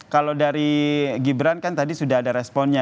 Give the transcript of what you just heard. kalau dari gibran kan tadi sudah ada responnya